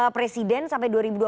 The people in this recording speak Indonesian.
presiden sampai dua ribu dua puluh